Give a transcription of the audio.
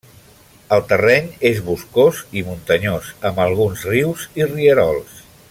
El terreny és boscós i muntanyós amb alguns rius i rierols.